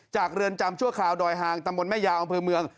จากเรือนจำชั่วคราวดอยฮางตำบลแม่ยาอ๋อมภูมิเมือง